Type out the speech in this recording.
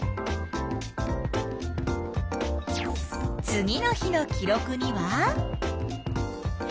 次の日の記録には？